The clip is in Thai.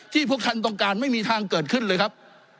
พวกท่านต้องการไม่มีทางเกิดขึ้นเลยครับ